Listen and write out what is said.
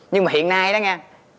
nhưng mà hiện nay đó nha